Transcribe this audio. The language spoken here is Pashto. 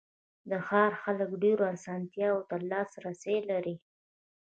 د ښار خلک ډېرو آسانتیاوو ته لاسرسی لري.